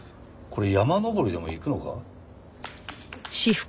これ山登りにでも行くのか？